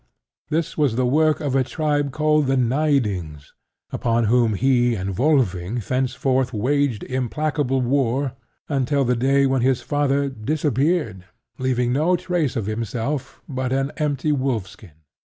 This was the work of a tribe called the Neidings, upon whom he and Wolfing thenceforth waged implacable war until the day when his father disappeared, leaving no trace of himself but an empty wolfskin.